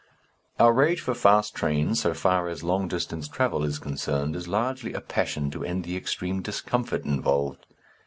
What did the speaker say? Our rage for fast trains, so far as long distance travel is concerned, is largely a passion to end the extreme discomfort involved.